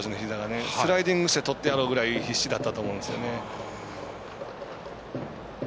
スライディングしてとってやろうぐらい必死だったと思うんですけどね。